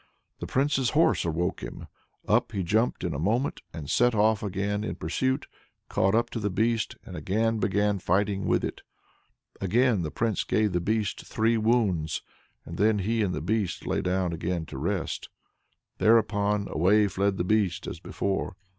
The Prince's horse awoke him; up he jumped in a moment, and set off again in pursuit, caught up the Beast, and again began fighting with it. Again the Prince gave the Beast three wounds, and then he and the Beast lay down again to rest. Thereupon away fled the Beast as before.